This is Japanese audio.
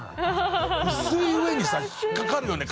薄い上にさ引っかかるよね硬いから。